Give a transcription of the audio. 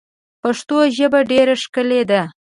پښتو ژبه ډېره ښکلې ده.